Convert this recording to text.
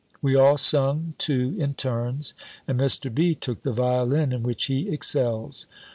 We all sung too in turns, and Mr. B. took the violin, in which he excels.